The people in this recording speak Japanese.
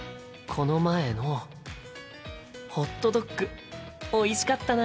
この前のホットドッグおいしかったな。